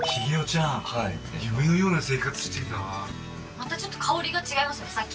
またちょっと香りが違いますねさっきと。